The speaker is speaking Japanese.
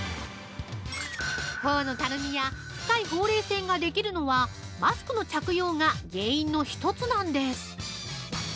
頬のたるみや深いほうれい線ができるのはマスクの着用が原因の一つなんです。